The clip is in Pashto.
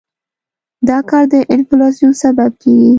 دا کار د انفلاسیون سبب کېږي.